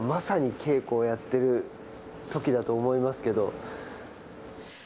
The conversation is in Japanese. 稽古をやってるときだと思いますけど。